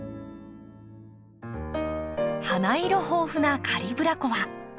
花色豊富なカリブラコア。